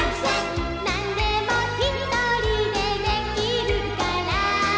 「何でもひとりでできるから」